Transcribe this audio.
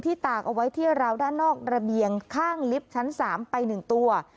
ตากเอาไว้ที่ราวด้านนอกระเบียงข้างลิฟท์ชั้น๓ไป๑ตัว